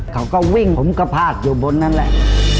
เขาก็วิ่งผมก็พาดอยู่บนนั่นแหละ